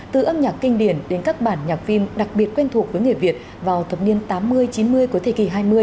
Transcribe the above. từ âm nhạc kinh điển đến các bản nhạc phim đặc biệt quen thuộc với nghệ việt vào thập niên tám mươi chín mươi của thời kỳ hai mươi